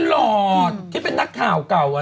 รู้จักแล้ว